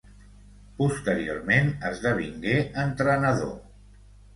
Posteriorment esdevingué entrenador.